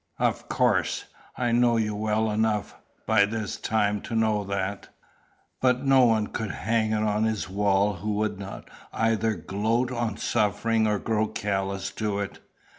"Of course. I know you well enough by this time to know that. But no one could hang it on his wall who would not either gloat on suffering or grow callous to it.